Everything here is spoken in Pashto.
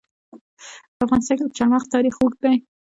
په افغانستان کې د چار مغز تاریخ اوږد دی.